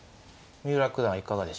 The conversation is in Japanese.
三浦九段はいかがでしょう。